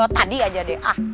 tadi aja deh ah